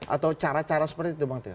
atau cara cara seperti itu